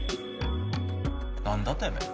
何だてめえ。